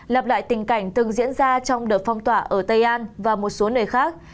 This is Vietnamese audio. lặp lại tình cảnh từng diễn ra trong đợt phong tỏa ở tây an và một số nơi khác